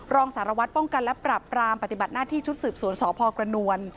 รองสารวัตรป้องกันและปรับรามปฏิบัติหน้าที่ชุดสืบสวนสพกระนวล